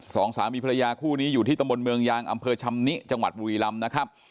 สองสามีภรรยาคู่นี้อยู่ที่ตำบลเมืองยางอำเภอชำนิจังหวัดบุรีลำนะครับ